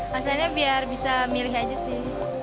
hasilnya biar bisa milih aja sih